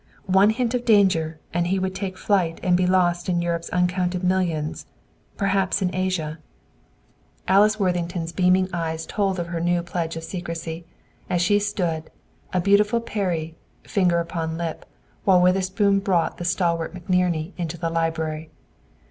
One hint of danger, and he would take flight and be lost in Europe's uncounted millions, perhaps in Asia." Alice Worthington's beaming eyes told of her new pledge of secrecy, as she stood, a beautiful Peri, finger on lip, while Witherspoon brought the stalwart McNerney into the library.